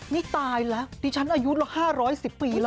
นี่ตายแล้วดิฉันอายุ๕๑๐ปีแล้ว